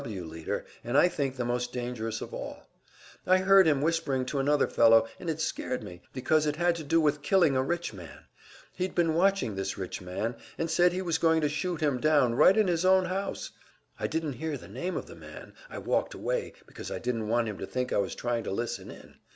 W. W. leader, and I think the most dangerous of all. I heard him whispering to another fellow, and it scared me, because it had to do with killing a rich man. He'd been watching this rich man, and said he was going to shoot him down right in his own house! I didn't hear the name of the man I walked away, because I didn't want him to think I was trying to listen in.